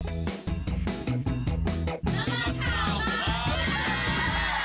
นรกข่าวมาก